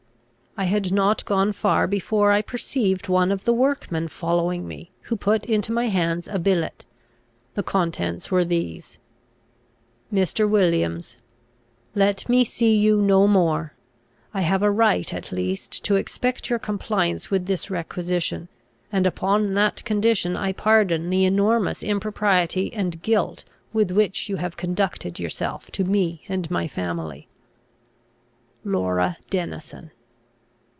I had not gone far before I perceived one of the workmen following me, who put into my hands a billet. The contents were these: "MR. WILLIAMS, "Let me see you no more. I have a right at least to expect your compliance with this requisition; and, upon that condition, I pardon the enormous impropriety and guilt with which you have conducted yourself to me and my family. "LAURA DENISON."